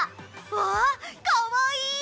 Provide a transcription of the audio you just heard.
わあかわいい！